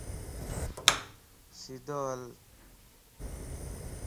سيدو ھل